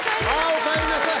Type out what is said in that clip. おかえりなさい。